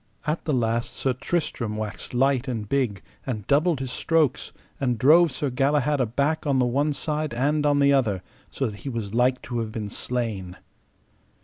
At the last Sir Tristram waxed light and big, and doubled his strokes, and drove Sir Galahad aback on the one side and on the other, so that he was like to have been slain.